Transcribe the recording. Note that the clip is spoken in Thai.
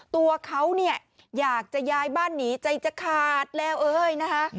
ตัวเขาเนี่ยอยากจะย้ายบ้านหนีใจจะขาดแล้วเอ้ยนะคะ